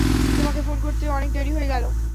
তোমাকে ফোন করতে অনেক দেরি হয়ে গেল।